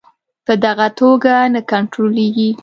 په دغه توګه نه کنټرولیږي.